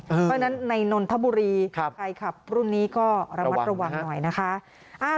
เพราะฉะนั้นในนนทบุรีใครขับรุ่นนี้ก็ระมัดระวังหน่อยนะคะ